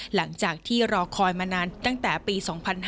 หลังจากที่รอคอยมานานตั้งแต่ปี๒๕๕๙